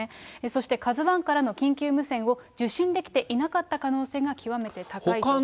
そしてカズワンからの緊急無線を受信できていなかった可能性が極めて高いと。